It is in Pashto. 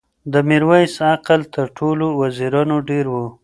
د میرویس عقل تر ټولو وزیرانو ډېر و.